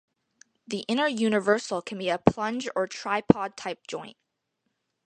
The inner universal can be a plunge or tripod type joint.